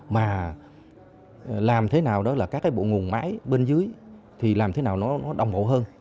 mà làm thế nào đó là các cái bộ nguồn máy bên dưới thì làm thế nào nó đồng hộ hơn